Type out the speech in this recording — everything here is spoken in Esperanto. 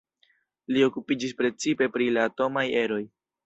Li okupiĝis precipe pri la atomaj eroj.